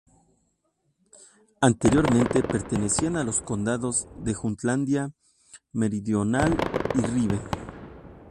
Anteriormente pertenecían a los condados de Jutlandia Meridional y Ribe.